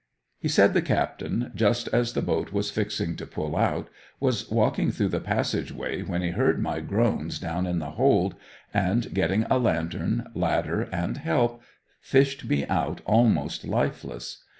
He said the captain, just as the boat was fixing to pull out, was walking through the passage way when he heard my groans down in the hold and getting a lantern, ladder and help, fished me out almost lifeless.